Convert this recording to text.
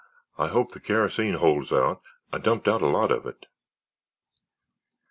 "I hope the kerosene holds out—I dumped out a lot of it."